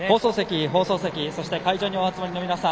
放送席そして、会場にお集まりの皆さん。